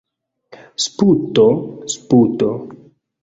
Sputo! Sputo!